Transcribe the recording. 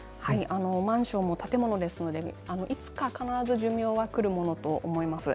マンションも建物ですからいつか必ず寿命がくるものと思います。